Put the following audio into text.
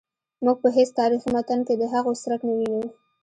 موږ په هیڅ تاریخي متن کې د هغوی څرک نه وینو.